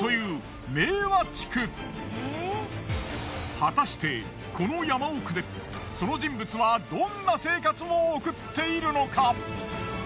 果たしてこの山奥でその人物はどんな生活を送っているのか？